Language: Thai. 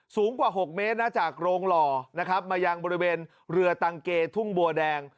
สูงกว่า๖เมตรนะจากโรงหล่อนะครับมายังบริเวณเรือตังเกทุ่งบัวแดง